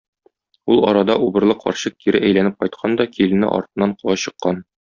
Ул арада убырлы карчык кире әйләнеп кайткан да килене артыннан куа чыккан.